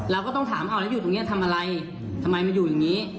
เราก็ต้องถามเอาแล้วอยู่ตรงนี้ทำอะไรทำไมมาอยู่อย่างนี้